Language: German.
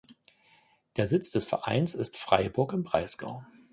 Der Sitz des Vereins ist Freiburg im Breisgau.